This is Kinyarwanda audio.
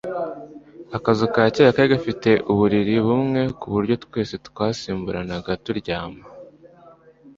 Akazu ka kera kari gafite uburiri bumwe ku buryo twese twasimburanaga turyama